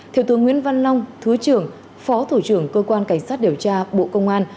thiếu tướng nguyễn văn long thứ trưởng phó thủ trưởng cơ quan cảnh sát điều tra bộ công an